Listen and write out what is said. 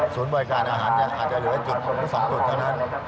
ศูนย์บริการอาหารอาจจะเหลือสองจุดเท่านั้น